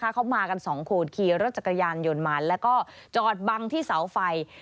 เขามากัน๒คนขี่รถจักรยานยนต์มาแล้วก็จอดบังที่เสาไฟ